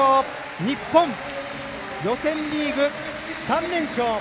日本、予選リーグ３連勝！